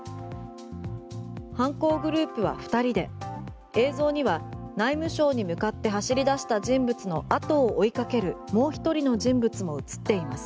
犯行グループは２人で映像には内務省に向かって走り出した人物の後を追いかけるもう１人の人物も映っています。